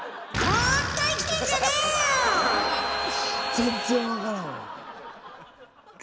全然分からんわ。